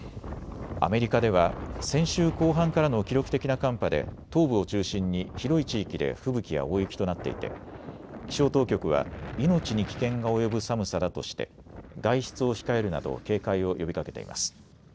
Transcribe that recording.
アメリカでは先週後半からの記録的な寒波で東部を中心に広い地域で吹雪や大雪となっていて気象当局は命に危険が及ぶ寒さだとして外出を控えるなど警戒を呼びかけています。